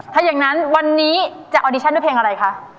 ถ้าอย่างนั้นวันนี้จะออดิชั่นด้วยเพลงอะไรคะ